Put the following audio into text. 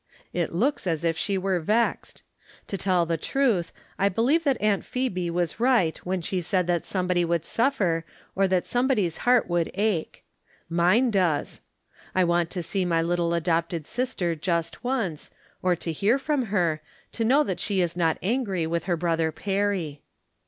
It looks as if she were vexed. To tell the truth, I believe that Aunt Phebe was right when she said that somebody would suffer or that somebody's heart would ache. Mine does. I want to see my little adopted sister just once, or to hear from her, to know that she is not angry with her brother Perry.